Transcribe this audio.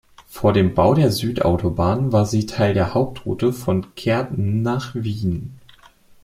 Vor dem Bau der Südautobahn war sie Teil der Hauptroute von Kärnten nach Wien.